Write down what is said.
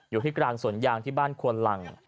อยู่ที่กลางสวนยางที่บ้านควนหลัง